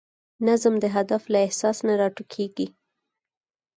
نظم د هدف له احساس نه راټوکېږي.